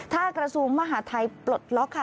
ถ้ากระทรวงมหาทัยปลดล็อกค่ะ